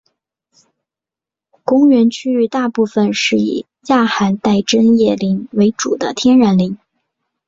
公园区域大部分是以亚寒带针叶林为主的天然林。